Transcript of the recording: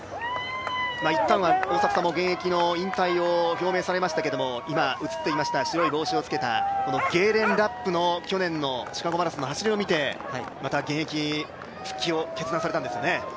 いったんは、大迫さんも現役の引退を表明されていましたけれども今、映っていました白い帽子をつけたゲーレン・ラップの去年のシカゴマラソンの走りを見てまた現役復帰を決断されたんですよね。